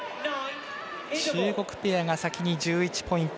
中国ペアが先に１１ポイント。